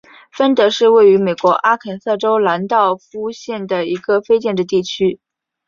芬德是位于美国阿肯色州兰道夫县的一个非建制地区。